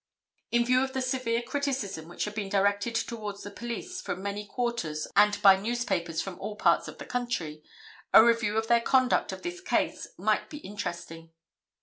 In view of the severe criticism which had been directed towards the police from many quarters and by newspapers from all parts of the country, a review of their conduct of this case might be interesting.